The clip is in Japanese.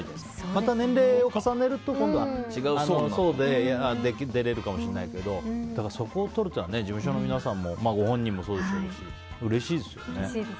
また年齢を重ねると今度は違う層で出れるかもしれないけどそこをとれたら事務所の皆さんもご本人もそうでしょうしうれしいですね。